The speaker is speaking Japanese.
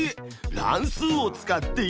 乱数を使っているよ！